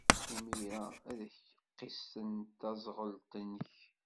Imir-a, ad ak-qissen taẓɣelt-nnek.